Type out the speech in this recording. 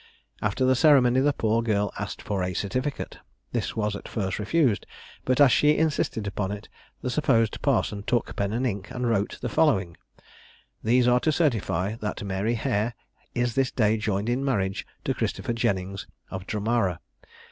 After the ceremony, the poor girl asked for a certificate. This was at first refused; but as she insisted on it, the supposed parson took pen and ink, and wrote the following: "These are to certify, that Mary Hair is this day joined in marriage to Christopher Jennings, of Drumara.